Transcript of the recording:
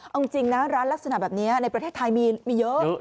เอาจริงนะร้านลักษณะแบบนี้ในประเทศไทยมีเยอะ